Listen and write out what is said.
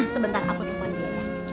sebentar aku telfon dia